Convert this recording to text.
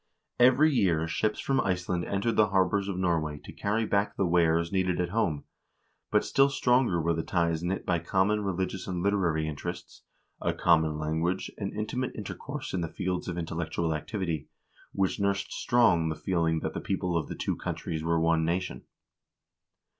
Every year ships from Iceland entered the harbors of Norway to carry back the wares needed at home, but still stronger were the ties knit by common religious and literary interests, a common language, and intimate intercourse in the fields of intellectual activity, which nursed strong the feeling that the people of the two countries were one nation.